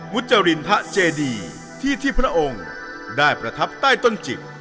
จรินพระเจดีที่ที่พระองค์ได้ประทับใต้ต้นจิก